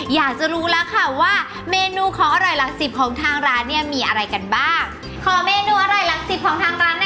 อยากจะรู้แล้วค่ะว่าเมนูของอร่อยหลักสิบของทางร้านเนี่ยมีอะไรกันบ้าง